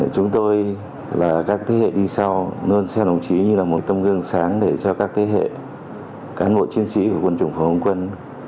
chúng tôi là các thế hệ đi sau luôn xem đồng chí như là một tâm gương sáng để cho các thế hệ cán bộ chiến sĩ của quân chủng phòng không quân